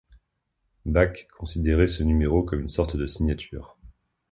Bach considérait ce numéro comme une sorte de signature.